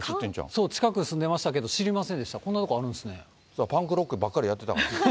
そう、近くに住んでましたけど、知りませんでした、こんな所パンクロックばっかりやってたから。